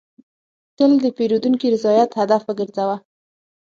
تل د پیرودونکي رضایت هدف وګرځوه.